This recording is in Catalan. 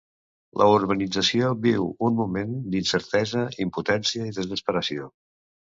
La urbanització viu un moment d'incertesa, impotència i desesperació.